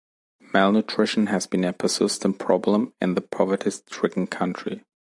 Malnutrition has been a persistent problem in the poverty-stricken country.